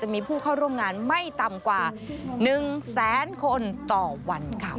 มีผู้เข้าร่วมงานไม่ต่ำกว่า๑แสนคนต่อวันค่ะ